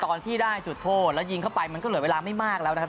ตอนที่ได้จุดโทษแล้วยิงเข้าไปมันก็เหลือเวลาไม่มากแล้วนะครับ